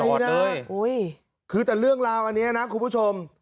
ไม่ได้คือแต่เรื่องราวอันนี้นะคุณผู้ชม